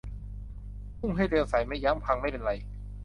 พุ่งให้เร็ว ใส่ไม่ยั้ง พังไม่เป็นไร